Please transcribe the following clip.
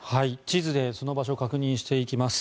地図でその場所を確認していきます。